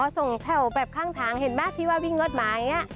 แถวแบบข้างทางเห็นไหมที่ว่าวิ่งรถหมาอย่างนี้